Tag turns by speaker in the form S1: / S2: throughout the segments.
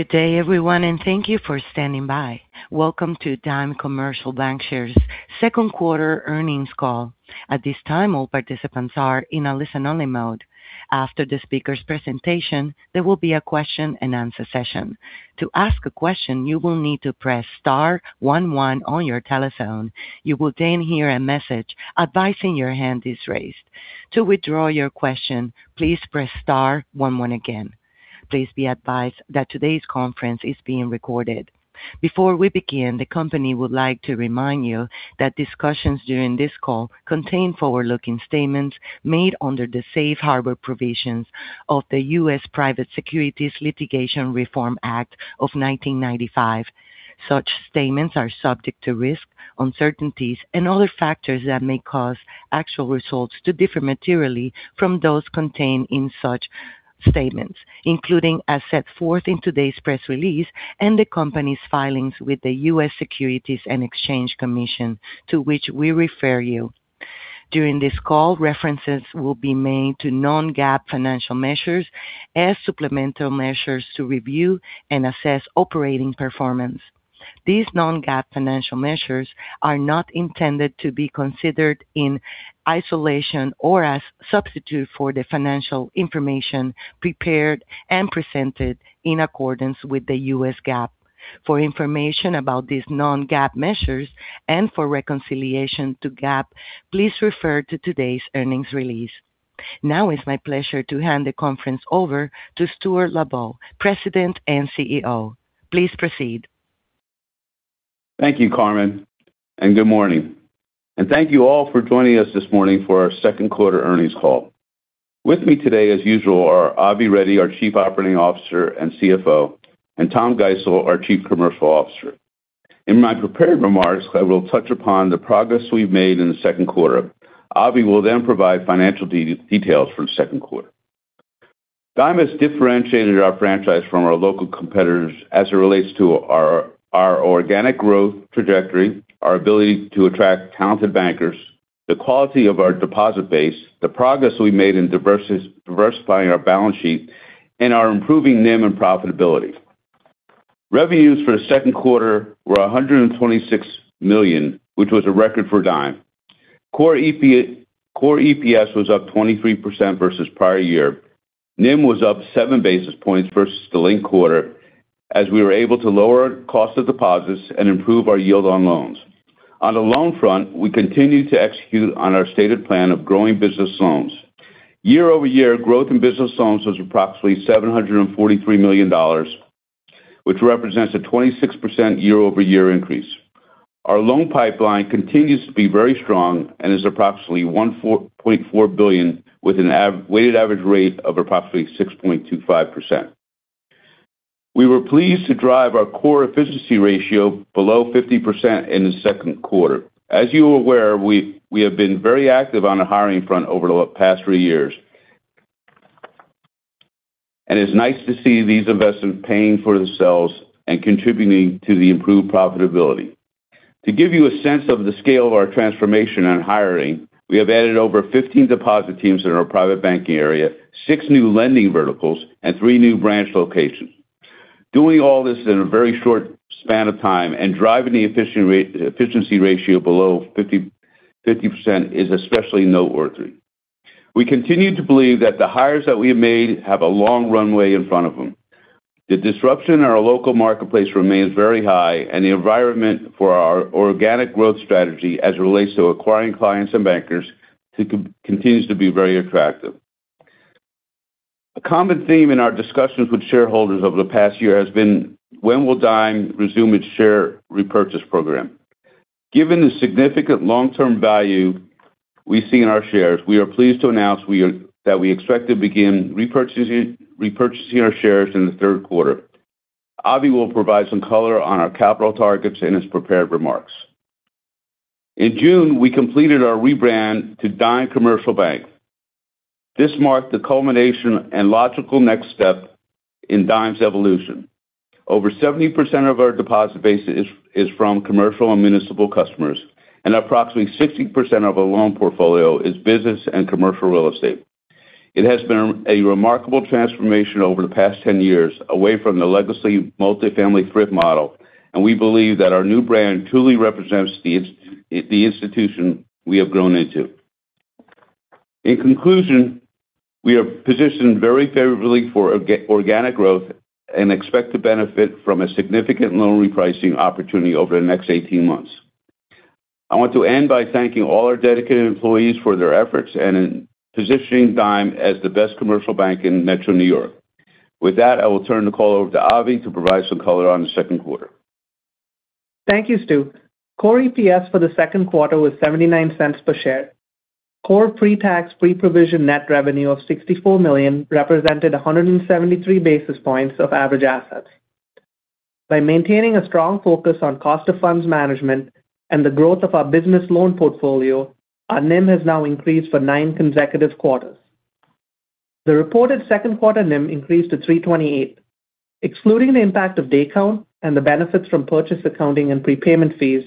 S1: Good day everyone, thank you for standing by. Welcome to Dime Commercial Bancshares second quarter earnings call. At this time, all participants are in a listen only mode. After the speaker's presentation, there will be a question and answer session. To ask a question, you will need to press star one one on your telephone. You will then hear a message advising your hand is raised. To withdraw your question, please press star one one again. Please be advised that today's conference is being recorded. Before we begin, the company would like to remind you that discussions during this call contain forward-looking statements made under the Safe Harbor Provisions of the U.S. Private Securities Litigation Reform Act of 1995. Such statements are subject to risks, uncertainties, and other factors that may cause actual results to differ materially from those contained in such statements, including as set forth in today's press release and the company's filings with the U.S. Securities and Exchange Commission, to which we refer you. During this call, references will be made to non-GAAP financial measures as supplemental measures to review and assess operating performance. These non-GAAP financial measures are not intended to be considered in isolation or as substitute for the financial information prepared and presented in accordance with the U.S. GAAP. For information about these non-GAAP measures and for reconciliation to GAAP, please refer to today's earnings release. It's my pleasure to hand the conference over to Stuart Lubow, President and CEO. Please proceed.
S2: Thank you, Carmen, good morning. Thank you all for joining us this morning for our second quarter earnings call. With me today, as usual, are Avi Reddy, our Chief Operating Officer and CFO, Tom Geisel, our Chief Commercial Officer. In my prepared remarks, I will touch upon the progress we've made in the second quarter. Avi will provide financial details for the second quarter. Dime has differentiated our franchise from our local competitors as it relates to our organic growth trajectory, our ability to attract talented bankers, the quality of our deposit base, the progress we made in diversifying our balance sheet, and our improving NIM and profitability. Revenues for the second quarter were $126 million, which was a record for Dime. Core EPS was up 23% versus prior year. NIM was up seven basis points versus the linked quarter, as we were able to lower cost of deposits and improve our yield on loans. On the loan front, we continued to execute on our stated plan of growing business loans. Year-over-year, growth in business loans was approximately $743 million, which represents a 26% year-over-year increase. Our loan pipeline continues to be very strong and is approximately $1.4 billion with a weighted average rate of approximately 6.25%. We were pleased to drive our core efficiency ratio below 50% in the second quarter. As you are aware, we have been very active on the hiring front over the past three years. It's nice to see these investments paying for themselves and contributing to the improved profitability. To give you a sense of the scale of our transformation on hiring, we have added over 15 deposit teams in our private banking area, six new lending verticals, and three new branch locations. Doing all this in a very short span of time and driving the efficiency ratio below 50% is especially noteworthy. We continue to believe that the hires that we have made have a long runway in front of them. The disruption in our local marketplace remains very high, and the environment for our organic growth strategy as it relates to acquiring clients and bankers continues to be very attractive. A common theme in our discussions with shareholders over the past year has been when will Dime resume its share repurchase program? Given the significant long-term value we see in our shares, we are pleased to announce that we expect to begin repurchasing our shares in the third quarter. Avi will provide some color on our capital targets in his prepared remarks. In June, we completed our rebrand to Dime Commercial Bank. This marked the culmination and logical next step in Dime's evolution. Over 70% of our deposit base is from commercial and municipal customers, and approximately 60% of our loan portfolio is business and commercial real estate. It has been a remarkable transformation over the past 10 years away from the legacy multifamily thrift model, and we believe that our new brand truly represents the institution we have grown into. In conclusion, we are positioned very favorably for organic growth and expect to benefit from a significant loan repricing opportunity over the next 18 months. I want to end by thanking all our dedicated employees for their efforts and in positioning Dime as the best commercial bank in metro New York. With that, I will turn the call over to Avi to provide some color on the second quarter.
S3: Thank you, Stu. Core EPS for the second quarter was $0.79 per share. Core pre-tax, pre-provision net revenue of $64 million represented 173 basis points of average assets. By maintaining a strong focus on cost of funds management and the growth of our business loan portfolio, our NIM has now increased for nine consecutive quarters. The reported second quarter NIM increased to 328. Excluding the impact of day count and the benefits from purchase accounting and prepayment fees,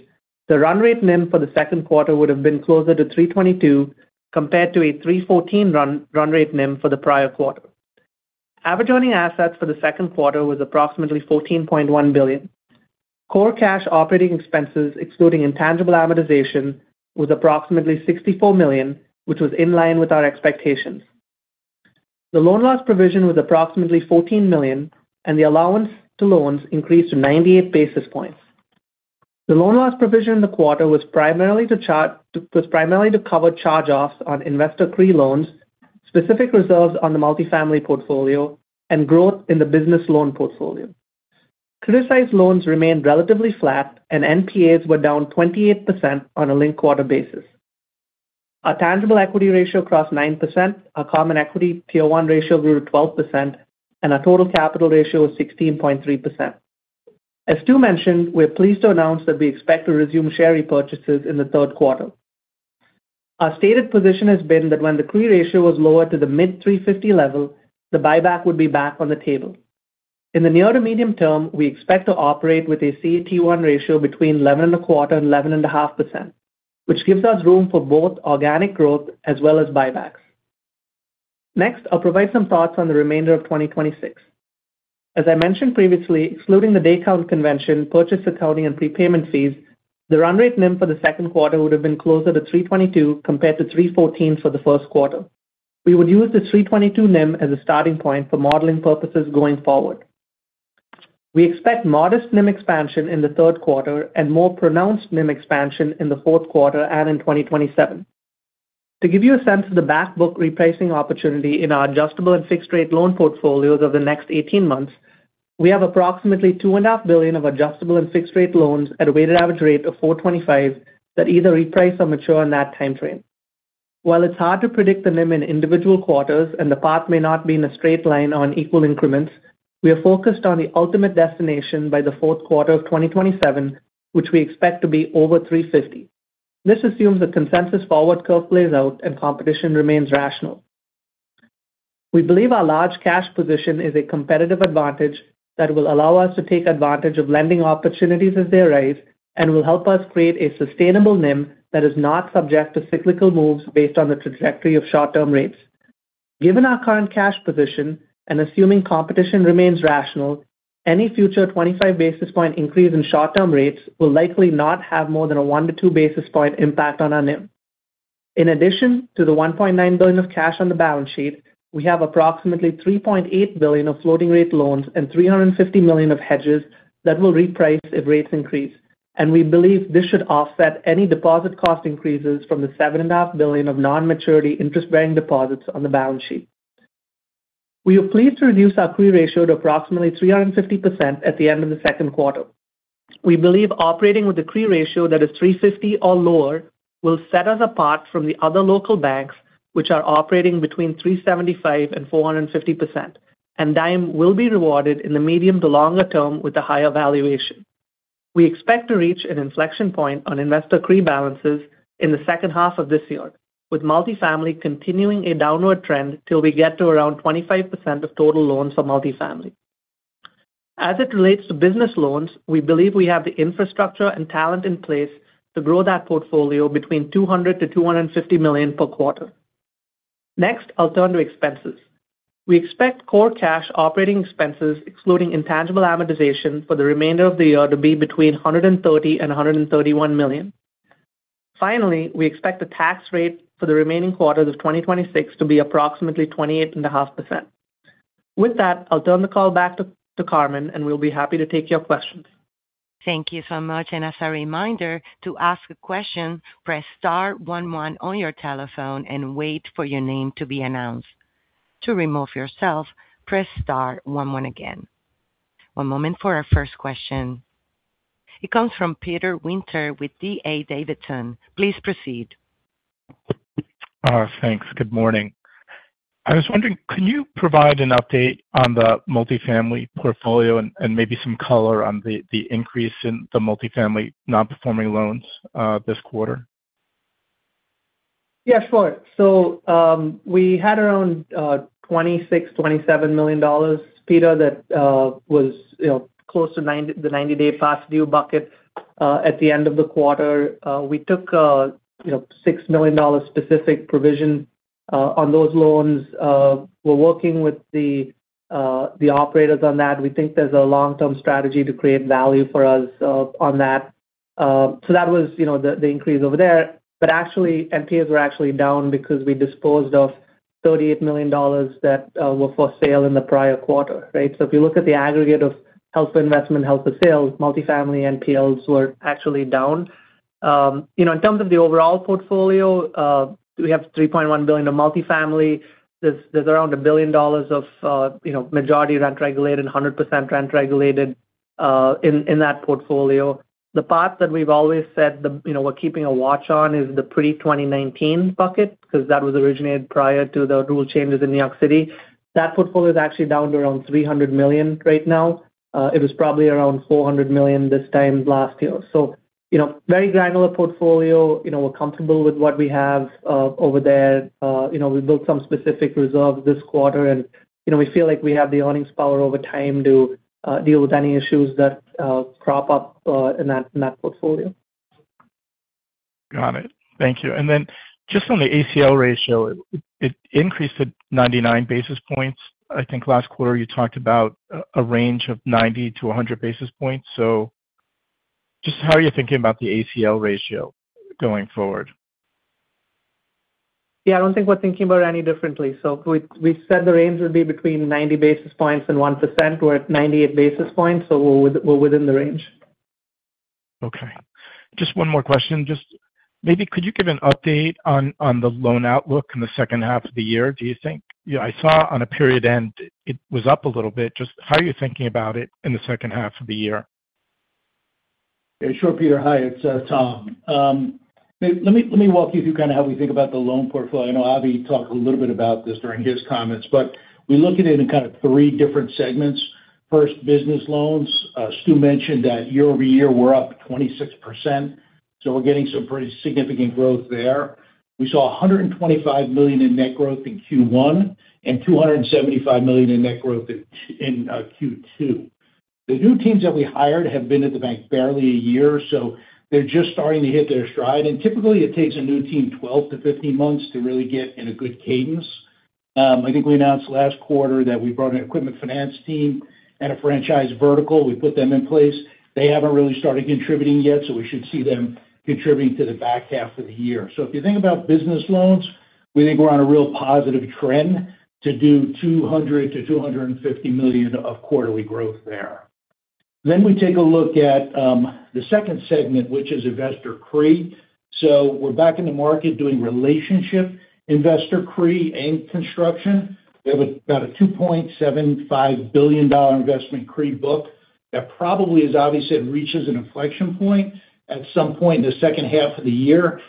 S3: the run rate NIM for the second quarter would have been closer to 322 compared to a 314 run rate NIM for the prior quarter. Average earning assets for the second quarter was approximately $14.1 billion. Core cash operating expenses, excluding intangible amortization, was approximately $64 million, which was in line with our expectations. The loan loss provision was approximately $14 million, and the allowance to loans increased to 98 basis points. The loan loss provision in the quarter was primarily to cover charge-offs on investor CRE loans, specific reserves on the multifamily portfolio, and growth in the business loan portfolio. Criticized loans remained relatively flat and NPAs were down 28% on a linked-quarter basis. Our tangible equity ratio crossed 9%, our common equity Tier 1 ratio grew to 12%, and our total capital ratio was 16.3%. As Stu mentioned, we are pleased to announce that we expect to resume share repurchases in the third quarter. Our stated position has been that when the CRE ratio was lowered to the mid-350 level, the buyback would be back on the table. In the near to medium term, we expect to operate with a CET1 ratio between 11.25%-11.5%, which gives us room for both organic growth as well as buybacks. I will provide some thoughts on the remainder of 2026. As I mentioned previously, excluding the day count convention, purchase accounting, and prepayment fees, the run rate NIM for the second quarter would have been closer to 322 compared to 314 for the first quarter. We would use the 322 NIM as a starting point for modeling purposes going forward. We expect modest NIM expansion in the third quarter and more pronounced NIM expansion in the fourth quarter and in 2027. To give you a sense of the backbook repricing opportunity in our adjustable and fixed-rate loan portfolios over the next 18 months, we have approximately $2.5 billion of adjustable and fixed-rate loans at a weighted average rate of 425 that either reprice or mature in that time frame. While it is hard to predict the NIM in individual quarters and the path may not be in a straight line on equal increments, we are focused on the ultimate destination by the fourth quarter of 2027, which we expect to be over 350. This assumes the consensus forward curve plays out and competition remains rational. We believe our large cash position is a competitive advantage that will allow us to take advantage of lending opportunities as they arise and will help us create a sustainable NIM that is not subject to cyclical moves based on the trajectory of short-term rates. Given our current cash position and assuming competition remains rational, any future 25-basis-point increase in short-term rates will likely not have more than a one-to two-basis-point impact on our NIM. In addition to the $1.9 billion of cash on the balance sheet, we have approximately $3.8 billion of floating rate loans and $350 million of hedges that will reprice if rates increase. We believe this should offset any deposit cost increases from the $7.5 billion of non-maturity interest-bearing deposits on the balance sheet. We are pleased to reduce our CRE ratio to approximately 350% at the end of the second quarter. We believe operating with a CRE ratio that is 350 or lower will set us apart from the other local banks, which are operating between 375%-450%, and Dime will be rewarded in the medium to longer term with a higher valuation. We expect to reach an inflection point on investor CRE balances in the second half of this year, with multifamily continuing a downward trend till we get to around 25% of total loans for multifamily. As it relates to business loans, we believe we have the infrastructure and talent in place to grow that portfolio between $200 million-$250 million per quarter. I'll turn to expenses. We expect core cash operating expenses, excluding intangible amortization, for the remainder of the year to be between $130 million and $131 million. Finally, we expect the tax rate for the remaining quarters of 2026 to be approximately 28.5%. I'll turn the call back to Carmen, and we'll be happy to take your questions.
S1: Thank you so much. As a reminder, to ask a question, press star one one on your telephone and wait for your name to be announced. To remove yourself, press star one one again. One moment for our first question. It comes from Peter Winter with D.A. Davidson. Please proceed.
S4: Thanks. Good morning. I was wondering, can you provide an update on the multifamily portfolio and maybe some color on the increase in the multifamily non-performing loans this quarter?
S3: Sure. We had around $26 million, $27 million, Peter, that was close to the 90-day past due bucket at the end of the quarter. We took a $6 million specific provision on those loans. We're working with the operators on that. We think there's a long-term strategy to create value for us on that. That was the increase over there. Actually, NPAs were actually down because we disposed of $38 million that were for sale in the prior quarter, right? If you look at the aggregate of held for investment and held for sale, multifamily NPLs were actually down. In terms of the overall portfolio, we have $3.1 billion of multifamily. There's around $1 billion of majority rent-regulated, 100% rent-regulated in that portfolio. The part that we've always said we're keeping a watch on is the pre-2019 bucket because that was originated prior to the rule changes in New York City. That portfolio is actually down to around $300 million right now. It was probably around $400 million this time last year. Very granular portfolio. We're comfortable with what we have over there. We built some specific reserves this quarter and we feel like we have the earnings power over time to deal with any issues that crop up in that portfolio.
S4: Got it. Thank you. Just on the ACL ratio, it increased to 99 basis points. I think last quarter you talked about a range of 90-100 basis points. Just how are you thinking about the ACL ratio going forward?
S3: I don't think we're thinking about it any differently. We said the range would be between 90 basis points and 1%. We're at 98 basis points, so we're within the range.
S4: One more question. Maybe could you give an update on the loan outlook in the second half of the year? I saw on a period end, it was up a little bit. How are you thinking about it in the second half of the year?
S5: Sure, Peter. Hi, it's Tom. Let me walk you through kind of how we think about the loan portfolio. I know Avi talked a little bit about this during his comments, but we look at it in kind of three different segments. First, business loans. Stu mentioned that year-over-year, we're up 26%, so we're getting some pretty significant growth there. We saw $125 million in net growth in Q1 and $275 million in net growth in Q2. The new teams that we hired have been at the bank barely a year, so they're just starting to hit their stride. Typically, it takes a new team 12-15 months to really get in a good cadence. I think we announced last quarter that we brought an equipment finance team and a franchise vertical. We put them in place. They haven't really started contributing yet, so we should see them contribute to the back half of the year. If you think about business loans, we think we're on a real positive trend to do $200 million-$250 million of quarterly growth there. We take a look at the second segment, which is investor CRE. We're back in the market doing relationship investor CRE and construction. We have about a $2.75 billion investment CRE book that probably, as Avi said, reaches an inflection point at some point in the second half of the year.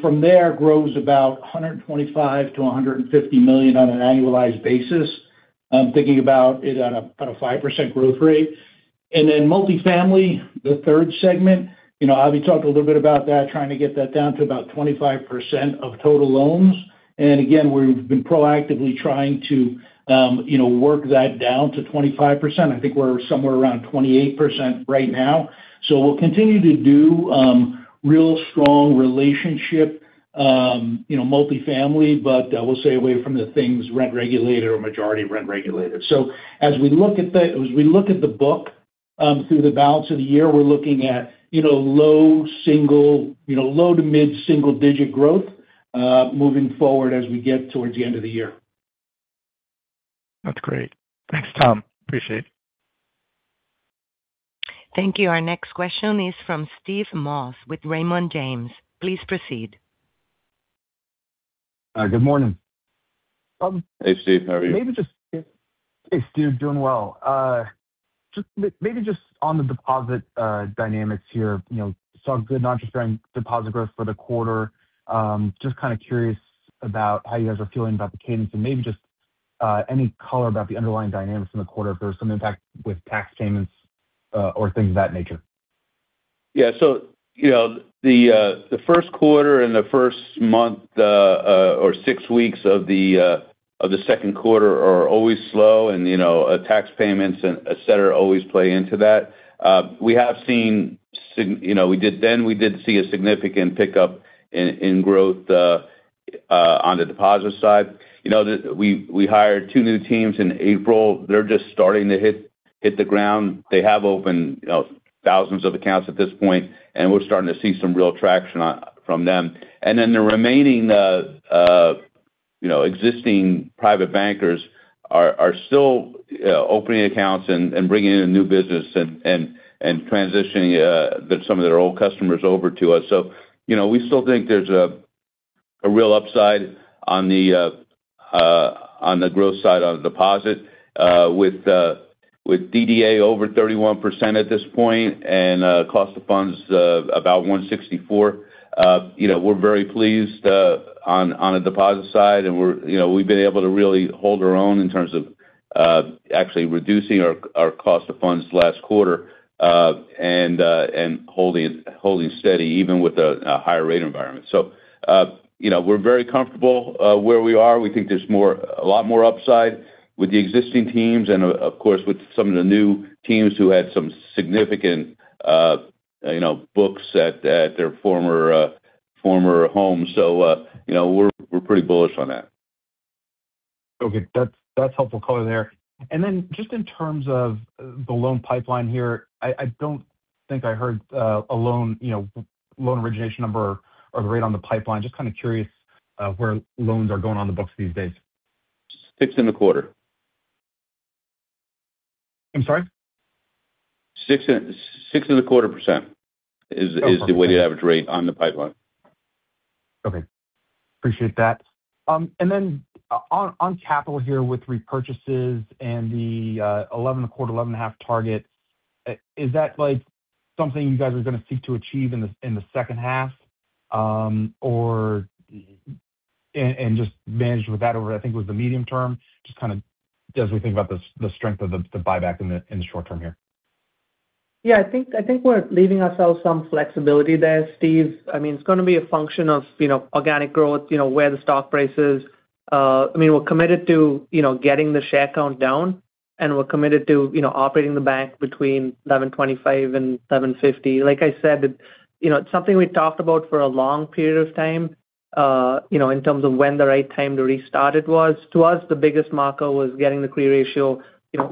S5: From there, grows about $125 million-$150 million on an annualized basis. I'm thinking about it at a 5% growth rate. Multifamily, the third segment. Avi talked a little bit about that, trying to get that down to about 25% of total loans. Again, we've been proactively trying to work that down to 25%. I think we're somewhere around 28% right now. We'll continue to do real strong relationship multifamily, but we'll stay away from the things rent regulated or majority rent regulated. As we look at the book through the balance of the year, we're looking at low to mid-single digit growth moving forward as we get towards the end of the year.
S4: That's great. Thanks, Tom. Appreciate it.
S1: Thank you. Our next question is from Steve Moss with Raymond James. Please proceed.
S6: Good morning.
S5: Hey, Steve. How are you?
S6: Hey, Steve. Doing well. Maybe just on the deposit dynamics here, saw good non-interest-bearing deposit growth for the quarter. Just kind of curious about how you guys are feeling about the cadence and maybe just any color about the underlying dynamics in the quarter if there was some impact with tax payments or things of that nature.
S5: Yeah. The first quarter and the first month or six weeks of the second quarter are always slow and tax payments, et cetera, always play into that. We did see a significant pickup in growth on the deposit side. We hired two new teams in April. They're just starting to hit the ground. They have opened thousands of accounts at this point, and we're starting to see some real traction from them. The remaining existing private bankers are still opening accounts and bringing in new business and transitioning some of their old customers over to us. We still think there's a real upside on the growth side on the deposit with DDA over 31% at this point and cost of funds about 164. We're very pleased on the deposit side, and we've been able to really hold our own in terms of actually reducing our cost of funds last quarter and holding steady even with a higher rate environment. We're very comfortable where we are. We think there's a lot more upside with the existing teams and of course, with some of the new teams who had some significant books at their former homes. We're pretty bullish on that.
S6: Okay. That's helpful color there. Just in terms of the loan pipeline here, I don't think I heard a loan origination number or the rate on the pipeline. Just kind of curious where loans are going on the books these days.
S5: 6.25%
S6: I'm sorry?
S5: 6.25% is the weighted average rate on the pipeline.
S6: Okay. Appreciate that. Then on capital here with repurchases and the 11.25% and 11.5% target, is that something you guys are going to seek to achieve in the second half and just manage with that over, I think it was the medium term? Just kind of as we think about the strength of the buyback in the short term here.
S3: I think we're leaving ourselves some flexibility there, Steve. It's going to be a function of organic growth, where the stock price is. We're committed to getting the share count down. We're committed to operating the bank between 11.25% and 11.5%. Like I said, it's something we talked about for a long period of time, in terms of when the right time to restart it was. To us, the biggest marker was getting the CRE ratio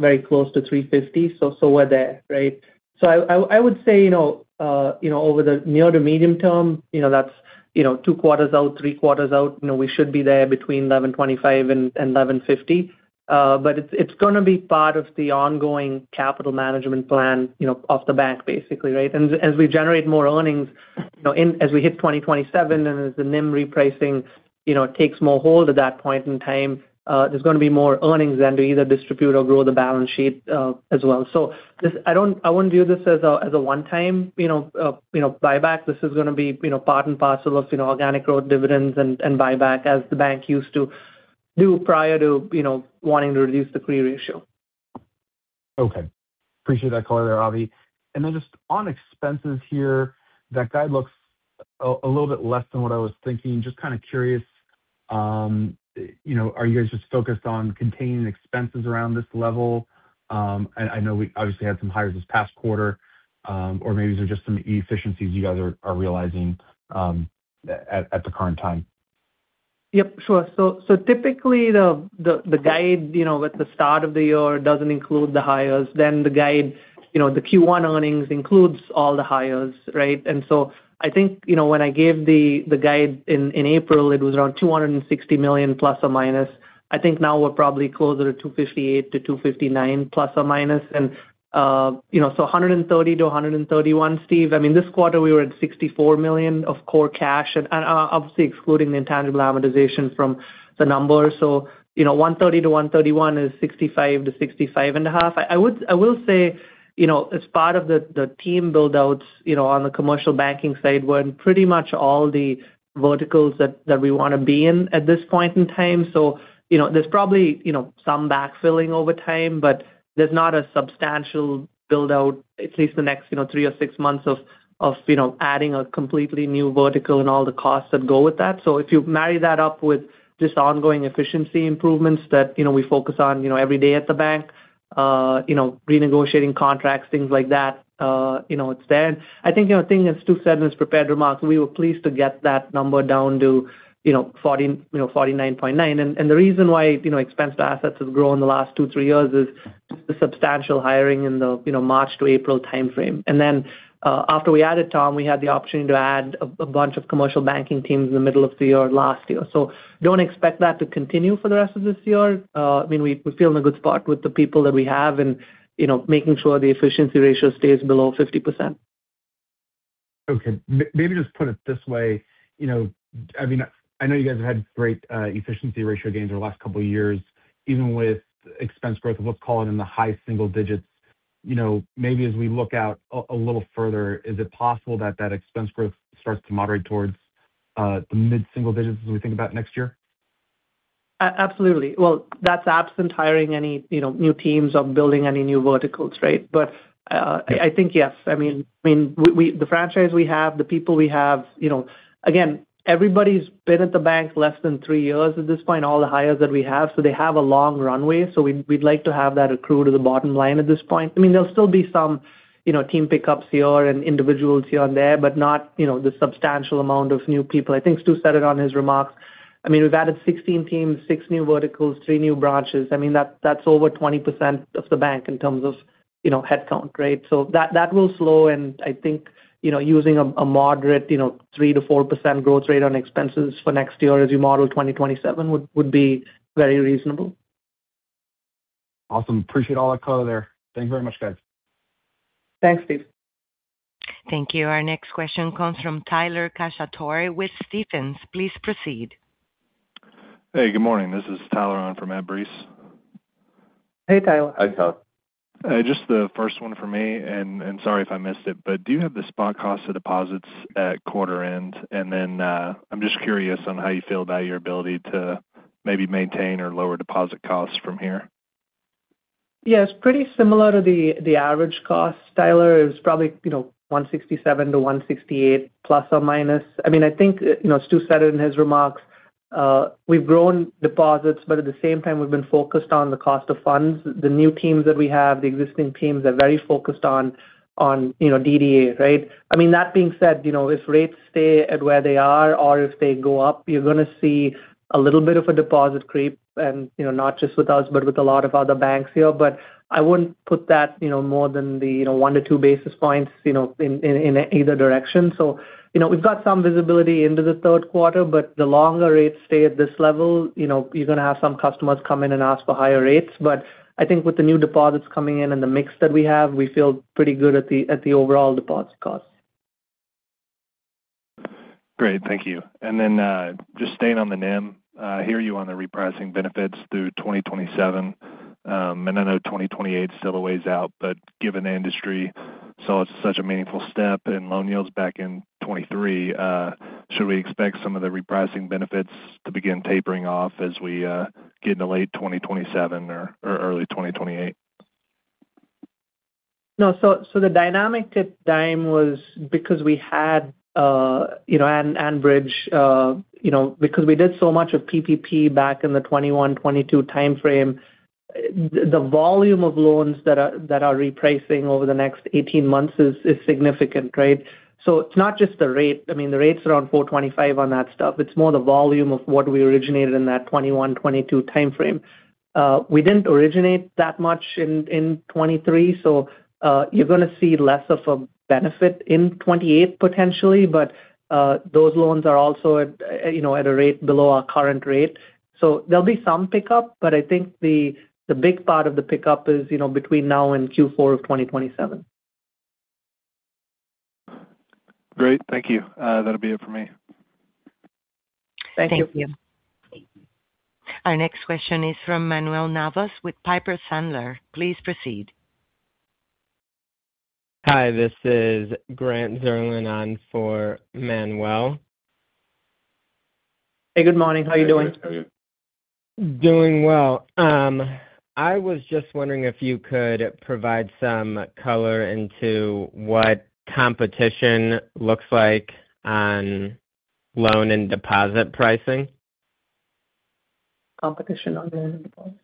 S3: very close to 350, so we're there. Right? I would say, over the near to medium term, that's two quarters out, three quarters out. We should be there between 11.25% and 11.5%. It's going to be part of the ongoing capital management plan off the back, basically. Right? As we generate more earnings, as we hit 2027, as the NIM repricing takes more hold at that point in time, there's going to be more earnings then to either distribute or grow the balance sheet as well. I wouldn't view this as a one-time buyback. This is going to be part and parcel of organic growth dividends and buyback as the bank used to do prior to wanting to reduce the CRE ratio.
S6: Okay. Appreciate that color there, Avi. Just on expenses here, that guide looks a little bit less than what I was thinking. Just kind of curious, are you guys just focused on containing expenses around this level? I know we obviously had some hires this past quarter, or maybe these are just some efficiencies you guys are realizing at the current time.
S3: Yep, sure. Typically the guide, with the start of the year doesn't include the hires, then the guide, the Q1 earnings includes all the hires, right? I think when I gave the guide in April, it was around $260 million plus or minus. I think now we're probably closer to $258 million-$259 million plus or minus. $130 million-$131 million, Steve. I mean, this quarter, we were at $64 million of core cash, and obviously excluding the intangible amortization from the numbers. $130 million-$131 million is $65 million-$65.5 million. I will say, as part of the team build-outs on the commercial banking side, we're in pretty much all the verticals that we want to be in at this point in time. There's probably some backfilling over time, but there's not a substantial build-out, at least the next three or six months of adding a completely new vertical and all the costs that go with that. If you marry that up with just ongoing efficiency improvements that we focus on every day at the bank, renegotiating contracts, things like that, it's there. I think a thing that Stu said in his prepared remarks, we were pleased to get that number down to 49.9%. The reason why expense to assets has grown in the last two, three years is just the substantial hiring in the March to April timeframe. After we added Tom, we had the opportunity to add a bunch of commercial banking teams in the middle of the year last year. Don't expect that to continue for the rest of this year. I mean, we feel in a good spot with the people that we have and making sure the efficiency ratio stays below 50%.
S6: Okay. Maybe just put it this way. I know you guys have had great efficiency ratio gains over the last couple of years, even with expense growth of, let's call it in the high single digits. Maybe as we look out a little further, is it possible that that expense growth starts to moderate towards the mid-single digits as we think about next year?
S3: Absolutely. Well, that's absent hiring any new teams or building any new verticals, right? I think yes. I mean, the franchise we have, the people we have, again, everybody's been at the bank less than three years at this point, all the hires that we have, so they have a long runway. We'd like to have that accrue to the bottom line at this point. I mean, there'll still be some team pickups here and individuals here and there, but not the substantial amount of new people. I think Stu said it on his remarks. I mean, we've added 16 teams, six new verticals, three new branches. I mean, that's over 20% of the bank in terms of headcount, right? That will slow. I think using a moderate 3%-4% growth rate on expenses for next year as you model 2027 would be very reasonable.
S6: Awesome. Appreciate all that color there. Thank you very much, guys.
S3: Thanks, Steve.
S1: Thank you. Our next question comes from Tyler Cacciatori with Stephens. Please proceed.
S7: Hey, good morning. This is Tyler on for Matt Breese.
S3: Hey, Tyler.
S2: Hi, Tyler.
S7: Just the first one for me, sorry if I missed it, but do you have the spot cost of deposits at quarter end? I'm just curious on how you feel about your ability to maybe maintain or lower deposit costs from here.
S3: Yeah. It's pretty similar to the average cost, Tyler. It was probably 167-168 ±. I mean, I think Stu said it in his remarks. We've grown deposits, but at the same time, we've been focused on the cost of funds. The new teams that we have, the existing teams are very focused on DDA, right? I mean, that being said, if rates stay at where they are or if they go up, you're going to see a little bit of a deposit creep and not just with us, but with a lot of other banks here. I wouldn't put that more than the one to two basis points in either direction. We've got some visibility into the third quarter, the longer rates stay at this level, you're going to have some customers come in and ask for higher rates. I think with the new deposits coming in and the mix that we have, we feel pretty good at the overall deposit cost.
S7: Great. Thank you. Then, just staying on the NIM. I hear you on the repricing benefits through 2027. I know 2028 is still a ways out, but given the industry saw such a meaningful step in loan yields back in 2023, should we expect some of the repricing benefits to begin tapering off as we get into late 2027 or early 2028?
S3: No. The dynamic at Dime was because we had a bridge. Because we did so much of PPP back in the 2021, 2022 timeframe, the volume of loans that are repricing over the next 18 months is significant, right? It's not just the rate. I mean, the rate's around 425 on that stuff. It's more the volume of what we originated in that 2021, 2022 timeframe. We didn't originate that much in 2023, you're going to see less of a benefit in 2028, potentially. Those loans are also at a rate below our current rate. There'll be some pickup, but I think the big part of the pickup is between now and Q4 of 2027.
S7: Great. Thank you. That'll be it for me.
S3: Thank you.
S1: Thank you. Our next question is from Manuel Navas with Piper Sandler. Please proceed.
S8: Hi, this is Grant Zerlin on for Manuel.
S3: Hey, good morning. How you doing?
S8: Doing well. I was just wondering if you could provide some color into what competition looks like on loan and deposit pricing.
S3: Competition on loan and deposit.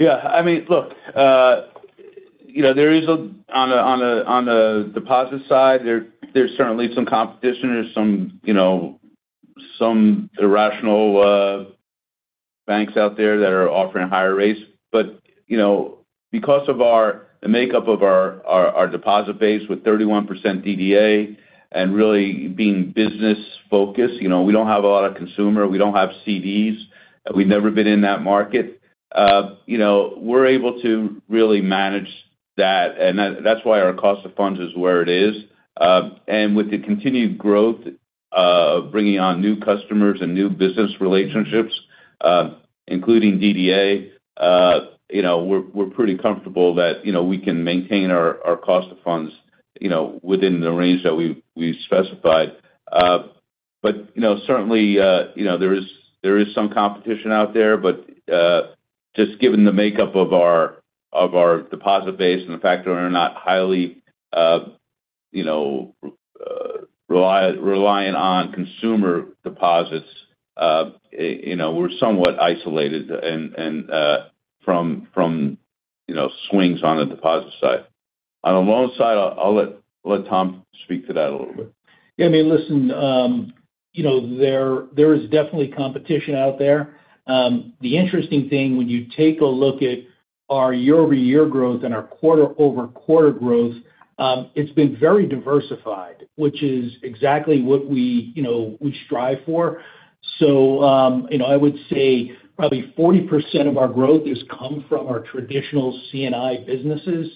S2: I mean, look, on the deposit side, there is certainly some competition. There is some irrational banks out there that are offering higher rates. Because of the makeup of our deposit base with 31% DDA and really being business-focused, we do not have a lot of consumer, we do not have CDs, we have never been in that market. We are able to really manage that, and that is why our cost of funds is where it is. With the continued growth of bringing on new customers and new business relationships, including DDA, we are pretty comfortable that we can maintain our cost of funds within the range that we have specified. Certainly, there is some competition out there. Just given the makeup of our deposit base and the fact that we are not highly reliant on consumer deposits, we are somewhat isolated from swings on the deposit side. On the loan side, I will let Tom speak to that a little bit.
S5: I mean, listen, there is definitely competition out there. The interesting thing when you take a look at our year-over-year growth and our quarter-over-quarter growth, it has been very diversified, which is exactly what we strive for. I would say probably 40% of our growth has come from our traditional C&I businesses.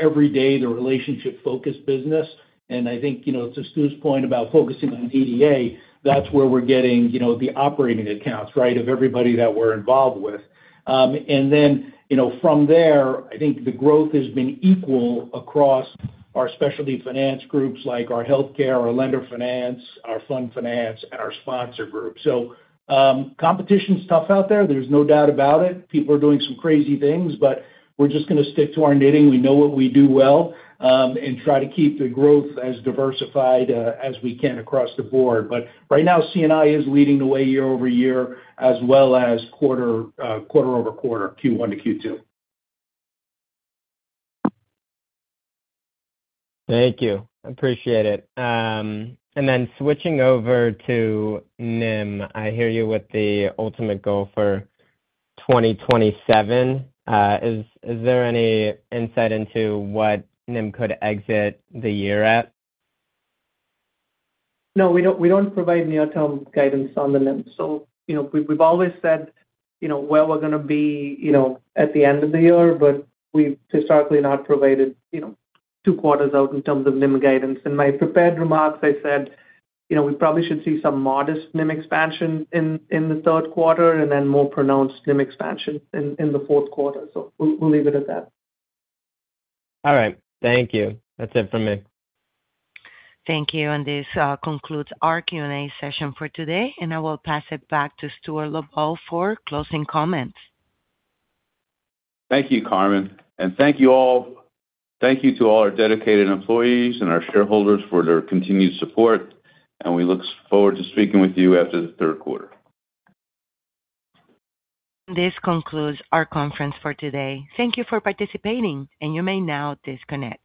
S5: Every day, the relationship-focused business. I think to Stu's point about focusing on DDA, that is where we are getting the operating accounts of everybody that we are involved with. From there, I think the growth has been equal across our specialty finance groups like our healthcare, our lender finance, our fund finance, and our sponsor group. Competition is tough out there. There is no doubt about it. People are doing some crazy things, we are just going to stick to our knitting. We know what we do well and try to keep the growth as diversified as we can across the board. Right now, C&I is leading the way year-over-year as well as quarter-over-quarter, Q1 to Q2.
S8: Thank you. Appreciate it. Switching over to NIM, I hear you with the ultimate goal for 2027. Is there any insight into what NIM could exit the year at?
S3: No, we don't provide near-term guidance on the NIM. We've always said where we're going to be at the end of the year, we've historically not provided two quarters out in terms of NIM guidance. In my prepared remarks, I said we probably should see some modest NIM expansion in the third quarter more pronounced NIM expansion in the fourth quarter. We'll leave it at that.
S8: All right. Thank you. That's it from me.
S1: Thank you. This concludes our Q&A session for today, and I will pass it back to Stuart Lubow for closing comments.
S2: Thank you, Carmen. Thank you to all our dedicated employees and our shareholders for their continued support, and we look forward to speaking with you after the third quarter.
S1: This concludes our conference for today. Thank you for participating, and you may now disconnect.